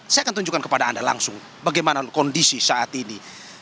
saya akan tunjukkan kepada anda langsung bagaimana kondisi saat ini